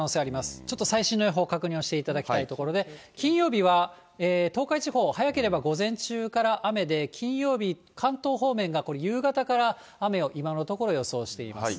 ちょっと最新の予報を確認していただきたいところで、金曜日は、東海地方、早ければ午前中から雨で、金曜日、関東方面が、これ、夕方から雨を今のところ、予想しています。